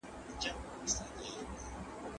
په دې پروسه کي اقتصادي شرايط مهم رول لري.